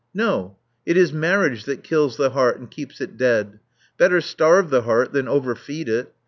No: it is marriage that kills the heart and keeps it dead. Better Starve the heart than overfeed it.